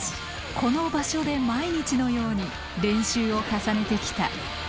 この場所で毎日のように練習を重ねてきた。